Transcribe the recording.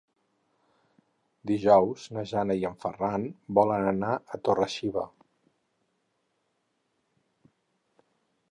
Dijous na Jana i en Ferran volen anar a Torre-xiva.